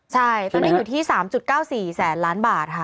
ใช่ตอนนี้อยู่ที่๓๙๔แสนล้านบาทค่ะ